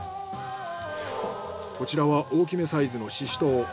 こちらは大きめサイズのシシトウ。